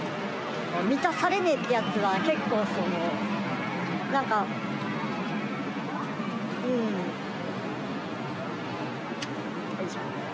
満たされねぇってやつは、結構その、なんか、うん、よいしょ。